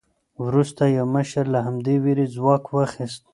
وروسته یو مشر له همدې وېرې ځواک واخیست.